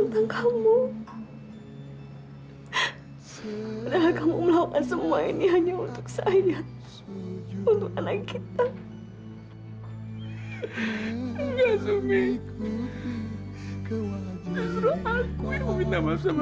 untuk kamu melakukan semua ini hanya untuk saya untuk anak kita biasanya